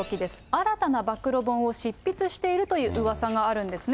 新たな暴露本を執筆しているといううわさがあるんですね。